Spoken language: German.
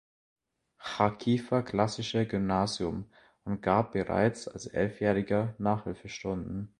Charkiwer Klassische Gymnasium und gab bereits als Elfjähriger Nachhilfestunden.